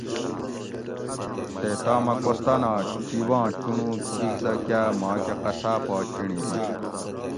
تے تامہ کوستانا جِب آں چُنڑوگ اِزدہ کاۤ ماکہ قصاۤ پا چِنڑی دِت